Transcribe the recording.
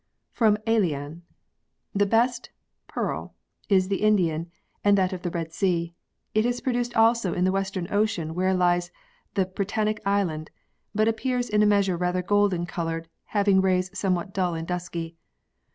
From Aelian. The best [pearl] is the Indian, and that of the Ked Sea. It is produced also in the western ocean where lies the Brettanic island ; but appears in a measure rather golden coloured having rays somewhat dull and dusky.